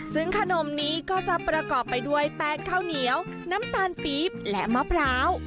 ซึ่งขนมนี้ก็จะประกอบไปด้วยแป้งข้าวเหนียวน้ำตาลปี๊บและมะพร้าว